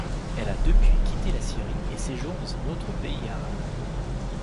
Elle a depuis quitté la Syrie et séjourne dans un autre pays arabe.